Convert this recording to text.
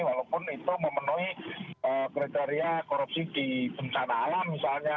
walaupun itu memenuhi kriteria korupsi di bencana alam misalnya